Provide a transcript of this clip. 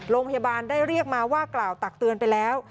โรงพยาบาลได้เรียกมาว่ากล่าวตักเตือนไปแล้ว